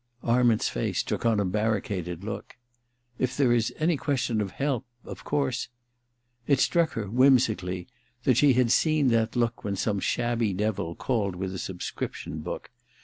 Arment's face took on a barricaded look. 4f there is any question of help — of course ' It struck her, whimsically, that she had seen that look when some shabby devil called with a subscription book.